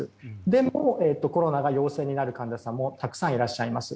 でも、コロナが陽性になる患者さんもたくさんいらっしゃいます。